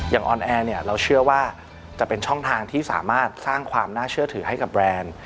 ออนแอร์เนี่ยเราเชื่อว่าจะเป็นช่องทางที่สามารถสร้างความน่าเชื่อถือให้กับแบรนด์